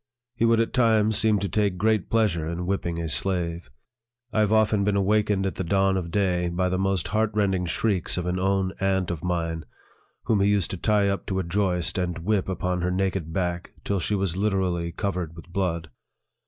He would at times seem to take great pleasure in whipping a slave. I have often been awakened at the dawn of day by the most heart rending shrieks of an own aunt of mine, whom he used to tie up to a joist, and whip upon her naked back till she was literally covered with blood.